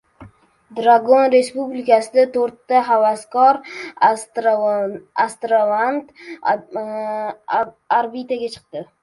“Dragon” kapsulasida to‘rtta “havaskor astronavt” orbitaga chiqdi